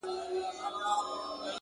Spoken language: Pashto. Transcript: هغه به خپل زړه په ژړا وویني!